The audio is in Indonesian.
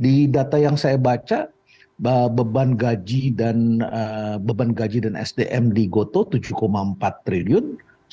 di data yang saya baca beban gaji dan sdm di gotoh tujuh empat triliun